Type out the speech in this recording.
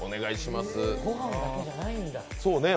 ご飯だけじゃないんだ。